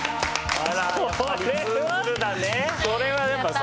それはそれはやっぱさ。